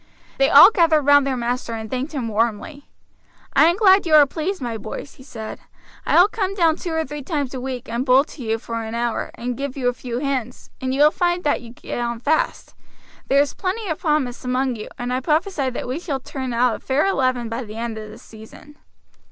They all gathered round their master and thanked him warmly. "I am glad you are pleased, my boys," he said; "I will come down two or three times a week and bowl to you for an hour, and give you a few hints, and you will find that you get on fast. There is plenty of promise among you, and I prophesy that we shall turn out a fair eleven by the end of the season."